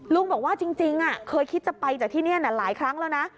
ลุงบอกว่าจริงเคยคิดจะไปจากที่นี่หลายครั้งแล้วนะ